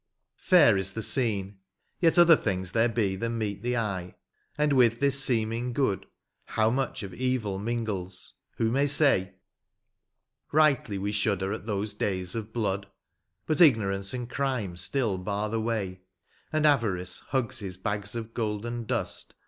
Fair is the scene, yet other things there be Than meet the eye ; and with this seeming good How much of evil mingles, who may say ? Bightly we shudder at those days of blood ; But ignorance and crime still bar the way, And avarice hugs his bags of golden dust.